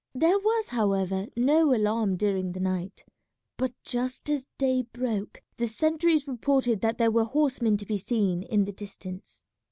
There was, however, no alarm during the night; but just as day broke the sentries reported that there were horsemen to be seen in the distance.